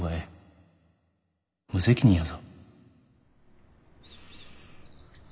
無責任やぞ。